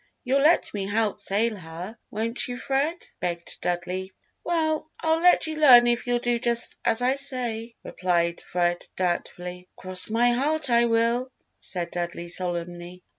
You'll let me help sail her, won't you, Fred?" begged Dudley. "Well, I'll let you learn if you'll do just as I say," replied Fred, doubtfully. "Cross my heart, I will," said Dudley, solemnly.